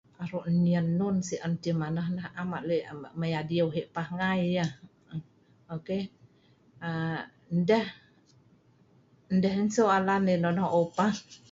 nyen non si an ceh manah nah'.